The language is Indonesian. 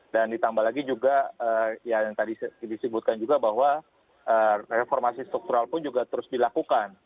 dan ditambah lagi juga yang tadi disebutkan juga bahwa reformasi struktural pun juga terus dilakukan